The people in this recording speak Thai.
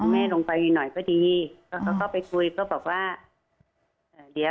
แม่ลงไปหน่อยก็ดี